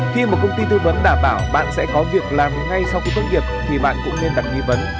khi một công ty tư vấn đảm bảo bạn sẽ có việc làm ngay sau khi tốt nghiệp thì bạn cũng nên đặt nghi vấn